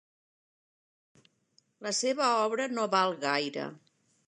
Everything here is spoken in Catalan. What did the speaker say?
La seva obra no val gaire.